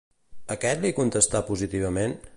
Aquest li contestà positivament?